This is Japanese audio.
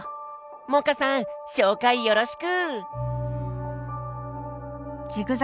萌歌さん紹介よろしく！